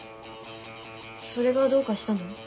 それがどうかしたの？